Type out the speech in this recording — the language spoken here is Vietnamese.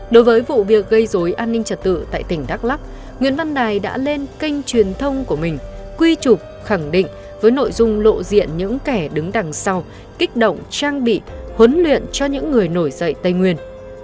đối với vụ việc gây dối an ninh trật tự tại tỉnh đắk lắc nguyễn văn đài đã lên kênh truyền thông của mình quy trục khẳng định với nội dung lộ diện những kẻ đứng đằng sau kích động trang bị huấn luyện cho những người nổi dậy tây nguyên